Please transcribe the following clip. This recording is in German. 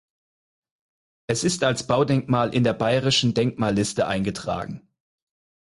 Es ist als Baudenkmal in der Bayerischen Denkmalliste eingetragen.